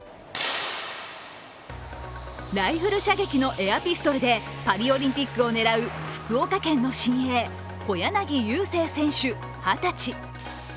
ライフル射撃のエアピストルでパリオリンピックを狙う福岡県の新鋭小柳勇生選手、二十歳。